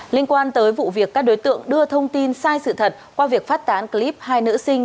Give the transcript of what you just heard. liên quan tới vụ việc các đối tượng đưa thông tin sai sự thật qua việc phát tán clip hai nữ sinh